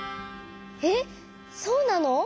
えっそうなの？